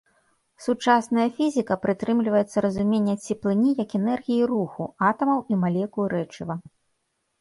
Сучасная фізіка прытрымліваецца разумення цеплыні як энергіі руху атамаў і малекул рэчыва.